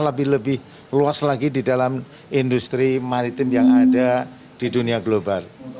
lebih lebih luas lagi di dalam industri maritim yang ada di dunia global